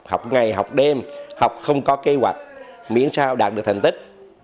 học ngày học đêm học không có kế hoạch miễn sao đạt được thành tích